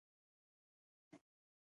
کوشش د بریالیتوب لومړۍ زینه ده.